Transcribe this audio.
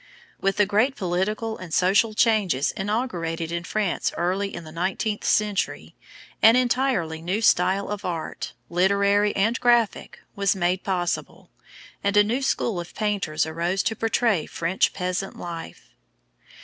With the great political and social changes inaugurated in France early in the nineteenth century, an entirely new style of art, literary and graphic, was made possible, and a new school of painters arose to portray French peasant life.